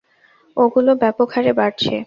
ওগুলো ব্যাপকহারে বাড়ছে।